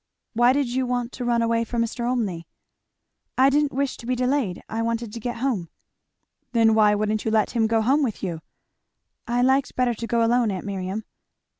"Why did you want to run away from Mr. Olmney?" "I didn't wish to be delayed I wanted to get home." "Then why wouldn't you let him go home with you?" "I liked better to go alone, aunt Miriam."